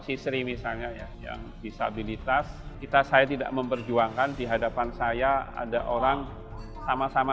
sisri misalnya ya yang disabilitas kita saya tidak memperjuangkan di hadapan saya ada orang sama sama